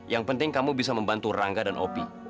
yang penting kamu bisa membantu rangga dan opi